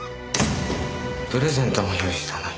プレゼントも用意したのに。